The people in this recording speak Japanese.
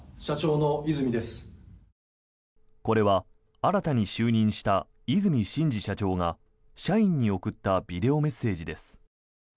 これは、新たに就任した和泉伸二社長が社員に送ったビデオメッセージです。